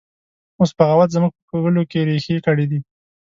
اوس بغاوت زموږ په کلو کې ریښې کړي دی